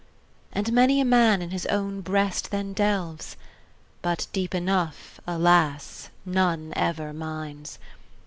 And many a man in his own breast then delves, But deep enough, alas! none ever mines.